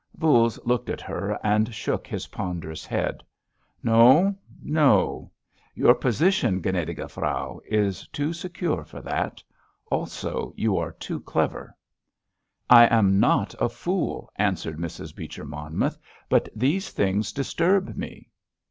Voules looked at her and shook his ponderous head. "No, no! Your position, gnädige Frau, is too secure for that; also you are too clever." "I am not a fool," answered Mrs. Beecher Monmouth, "but these things disturb me!"